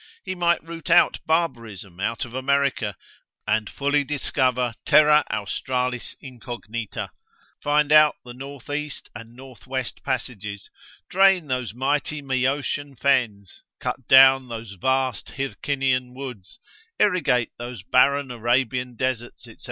He might root out barbarism out of America, and fully discover Terra Australis Incognita, find out the north east and north west passages, drain those mighty Maeotian fens, cut down those vast Hircinian woods, irrigate those barren Arabian deserts, &c.